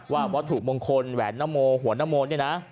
ว่าวัตถุมงคลแหวนน้ำโมหัวน้ำมนต์เนี่ยนะ